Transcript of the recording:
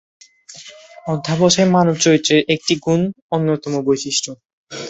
অধ্যসায় মানব চরিত্রের একটি গুণ- অন্যতম বৈশিষ্ট্য।